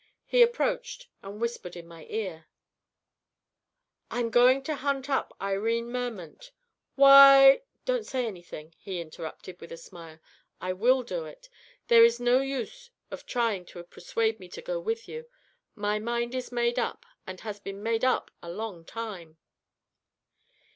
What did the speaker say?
He approached, and whispered in my ear: "I'm going to hunt up Irene Merment!" "Why " "Don't say anything," he interrupted, with a smile. "I will do it. There is no use of trying to persuade me to go with you. My mind is made up, and has been made up a long time."